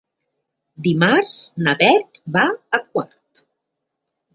Dimarts na Bet va a Quart.